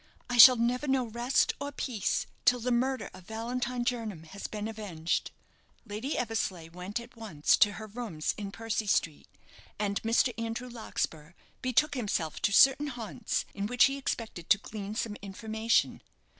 "I shall never know rest or peace till the murder of Valentine Jernam has been avenged." Lady Eversleigh went at once to her rooms in Percy Street, and Mr. Andrew Larkspur betook himself to certain haunts, in which he expected to glean some information.